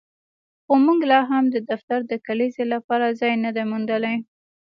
خو موږ لاهم د دفتر د کلیزې لپاره ځای نه دی موندلی